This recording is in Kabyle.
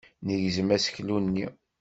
Negzem aseklu-nni.